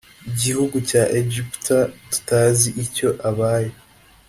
gihugu cya egiputa tutazi icyo abaye